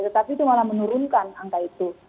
tetapi itu malah menurunkan angka itu